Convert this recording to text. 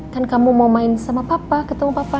kan kamu mau main sama papa ketemu papa